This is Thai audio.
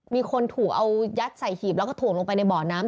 มีคนถูกเอายัดใส่หีบแล้วก็ถ่วงลงไปในบ่อน้ำ